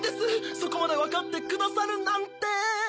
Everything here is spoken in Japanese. そこまでわかってくださるなんて。